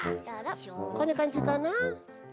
こんなかんじかな？